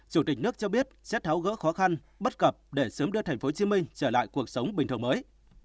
chủ tịch nước cho biết sẽ tháo gỡ khó khăn bất cập để sớm đưa tp hcm trở lại cuộc sống bình thường mới